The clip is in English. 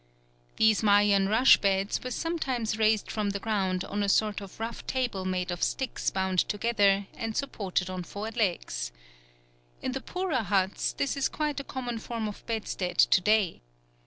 These Mayan rush beds were sometimes raised from the ground on a sort of rough table made of sticks bound together and supported on four legs. In the poorer huts this is quite a common form of bedstead to day.